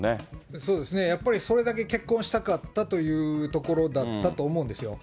そうですね、やっぱりそれだけ結婚したかったというところだったと思うんですよ。